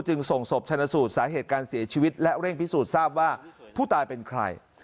ส่งศพชนะสูตรสาเหตุการเสียชีวิตและเร่งพิสูจน์ทราบว่าผู้ตายเป็นใคร